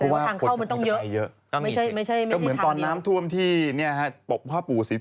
มาปิดทำไม